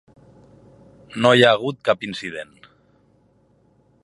No hi ha hagut cap incident.